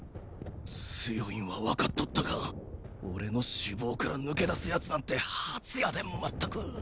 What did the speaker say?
強いんはわかっとったが俺の脂肪から抜け出す奴なんて初やで全く！